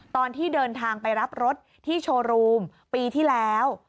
ตอนที่เดินทางไปรับรถที่โชว์รูมปีที่แล้ว